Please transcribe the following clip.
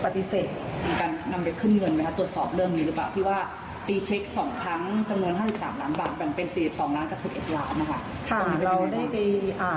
ที่ว่าตรีเช็ค๒ครั้งจะเงิน๕๓ล้านบาทแต่เป็น๔๒ล้านกระทุดเอ็ดล้าน